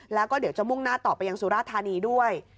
แล้วก็เดี๋ยวจะมุ่งหน้าต่อไปยังสุราธานีด้วย